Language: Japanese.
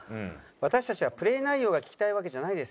「私たちはプレイ内容が聞きたいわけじゃないです」。